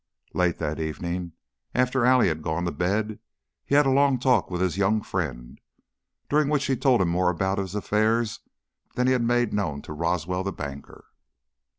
Late that evening, after Allie had gone to bed, he had a long talk with his young friend, during which he told him more about his affairs than he had made known even to Roswell, the banker.